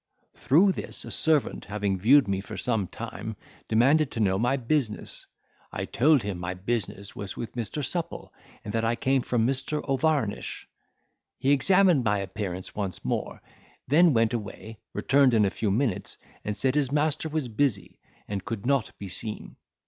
Through this a servant having viewed me for some time, demanded to know my business. I told him my business was with Mr. Supple, and that I came from Mr. O'Varnish. He examined my appearance once more, then went away, returned in a few minutes, and said his master was busy, and could not be seen.